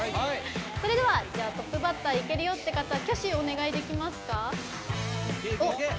それでは、トップバッターいけるよって方挙手お願いできますか。